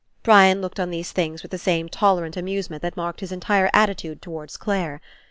Brian looked on these things with the same tolerant amusement that marked his entire attitude toward Clare.